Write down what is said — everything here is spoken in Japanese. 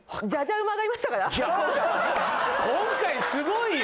今回すごいよ！